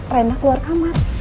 rena keluar kamar